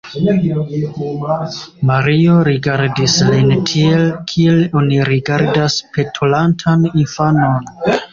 Mario rigardis lin tiel, kiel oni rigardas petolantan infanon.